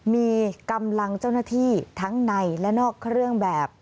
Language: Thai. มีกำลังเจ้าหน้าที่ทั้งในและนอกเครื่องแบบ